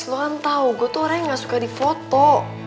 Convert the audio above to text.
lo kan tahu gue tuh orang yang gak suka di foto